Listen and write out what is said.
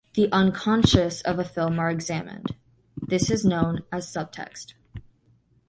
The 'unconscious' of a film are examined; this is known as subtext.